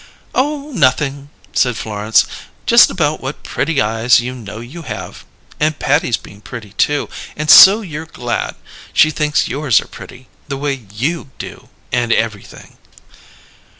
"Oh, nothin'," said Florence. "Just about what pretty eyes you know you have, and Patty's being pretty, too, and so you're glad she thinks yours are pretty, the way you do and everything!"